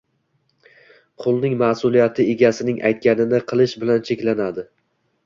– qulning mas’uliyati egasining aytganini qilish bilan cheklanadi.